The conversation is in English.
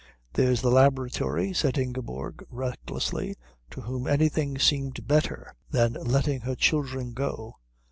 "There's the laboratory," said Ingeborg recklessly, to whom anything seemed better than letting her children go.